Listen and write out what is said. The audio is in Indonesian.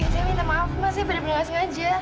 saya minta maaf mas saya benar benar gak sengaja